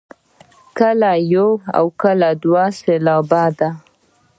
کله یو او کله دوه سېلابه دی.